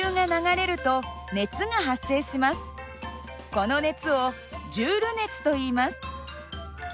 この熱をジュール熱といいます。